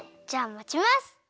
じゃあまちます。